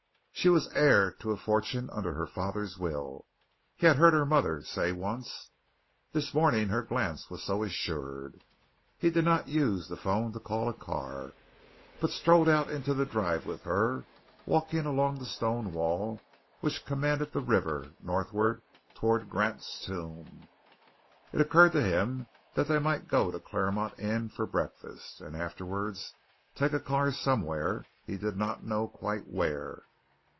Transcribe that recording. She was heir to a fortune under her father's will, he had heard her mother say once. This morning her glance was so assured. He did not use the phone to call a car, but strolled out into the drive with her walking along the stone wall which commanded the river northward toward Grant's Tomb. It occurred to him that they might go to Claremont Inn for breakfast, and afterwards take a car somewhere he did not know quite where.